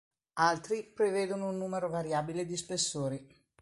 Altri prevedono un numero variabile di spessori.